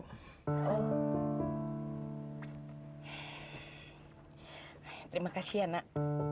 terima kasih anak